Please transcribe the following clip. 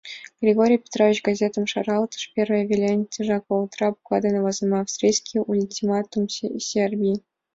Григорий Петрович газетым шаралтыш, первый велыштыжак шолдыра буква дене возымо: «Австрийский ультиматум Сербии»...